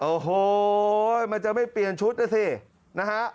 โอ้โหมันจะไม่เปลี่ยนชุดนะสินะฮะ